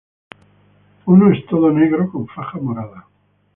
Uno es todo negro, con faja morada.